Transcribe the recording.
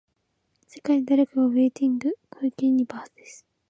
世界で誰かがウェイティング、小池ユニバースです。